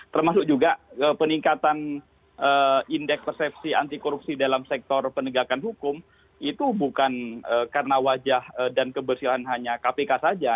termasuk juga peningkatan indeks persepsi anti korupsi dalam sektor penegakan hukum itu bukan karena wajah dan kebersihan hanya kpk saja